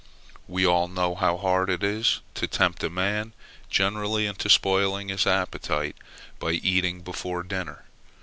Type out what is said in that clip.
We all know how hard it is to tempt a man generally into spoiling his appetite, by eating before dinner.